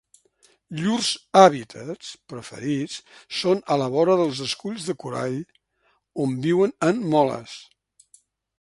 Llurs hàbitats preferits són a la vora dels esculls de corall on viuen en moles.